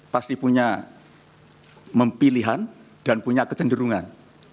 pasti punya pilihan dan punya kecenderungan